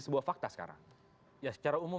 sebuah fakta sekarang ya secara umum